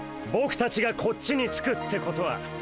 ボクたちがこっちにつくってことは。